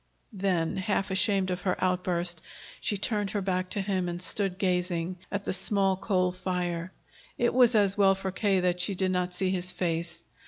Then, half ashamed of her outburst, she turned her back to him and stood gazing at the small coal fire. It was as well for K. that she did not see his face.